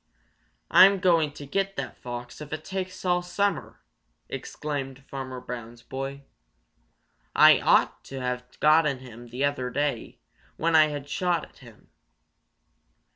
"I'm going to get that fox if it takes all summer!" exclaimed Farmer Brown's boy. "I ought to have gotten him the other day when I had a shot at him.